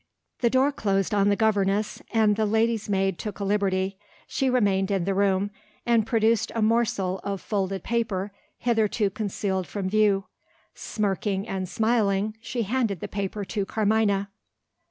The door closed on the governess and the lady's maid took a liberty. She remained in the room; and produced a morsel of folded paper, hitherto concealed from view. Smirking and smiling, she handed the paper to Carmina.